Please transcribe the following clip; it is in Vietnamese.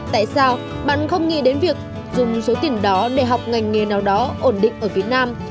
tại sao bạn không nghĩ đến việc dùng số tiền đó để học ngành nghề nào đó ổn định ở việt nam